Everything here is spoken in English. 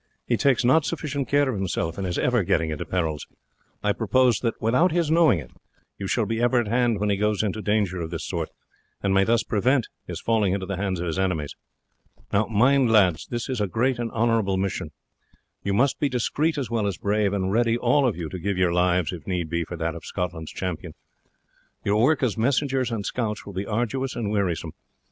He takes not sufficient care of himself, and is ever getting into perils. I propose that without his knowing it, you shall be ever at hand when he goes into danger of this sort, and may thus prevent his falling into the hands of his enemies. Now, mind, lads, this is a great and honourable mission. You must be discreet as well as brave, and ready all of you to give your lives, if need be, for that of Scotland's champion. Your work as messengers and scouts will be arduous and wearisome.